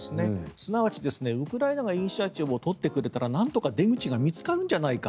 すなわちウクライナがイニシアチブを取ってくれたらなんとか出口が見つかるんじゃないか。